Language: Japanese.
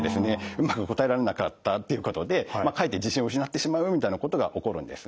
うまく答えられなかったっていうことでかえって自信を失ってしまうみたいなことが起こるんですね。